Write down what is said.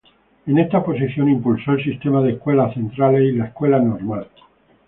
En esta posición impulsó el sistema de Escuelas Centrales y la Escuela Normal.